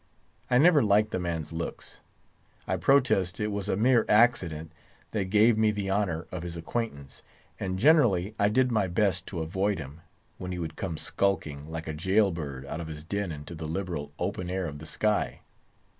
I never liked the man's looks; I protest it was a mere accident that gave me the honour of his acquaintance, and generally I did my best to avoid him, when he would come skulking, like a jail bird, out of his den into the liberal, open air of the sky.